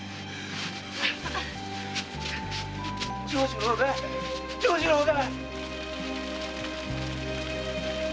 長次郎が長次郎が！